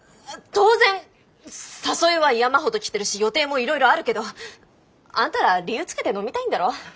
当然誘いは山ほど来てるし予定もいろいろあるけどあんたら理由つけて飲みたいんだろ？